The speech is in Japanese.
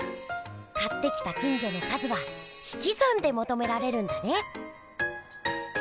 買ってきた金魚の数はひきざんでもとめられるんだね。